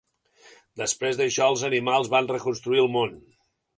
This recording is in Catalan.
Després d'això, els animals van reconstruir el món.